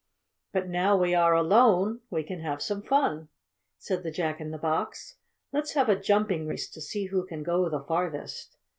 "But now we are alone we can have some fun," said the Jack in the Box. "Let's have a jumping race, to see who can go the farthest.